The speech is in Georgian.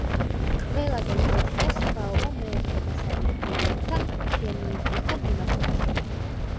ყველაზე მკვეთრია სხვაობა მეოთხე დასავლურ დიალექტთან–ჟემაიიტურთან მიმართებაში.